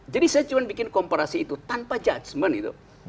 jadi saya cuma bikin komparasi itu tanpa judgement itu